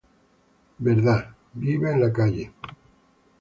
Truth: Live In St.